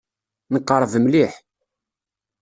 Neqreb mliḥ.